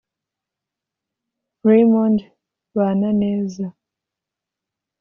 Raymond Bananeza